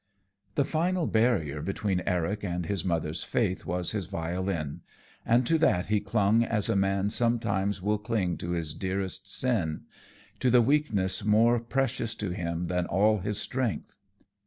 The final barrier between Eric and his mother's faith was his violin, and to that he clung as a man sometimes will cling to his dearest sin, to the weakness more precious to him than all his strength.